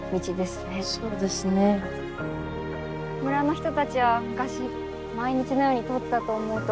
村の人たちは昔毎日のように通ったと思うと。